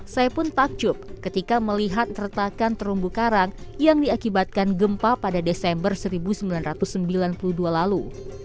saya pun takjub ketika melihat keretakan terumbu karang yang diakibatkan gempa pada desember seribu sembilan ratus sembilan puluh dua lalu